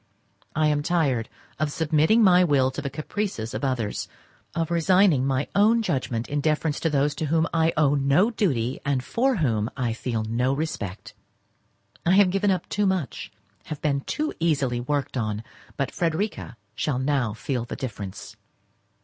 I am tired of submitting my will to the caprices of others; of resigning my own judgment in deference to those to whom I owe no duty, and for whom I feel no respect. I have given up too much, have been too easily worked on, but Frederica shall now feel the difference.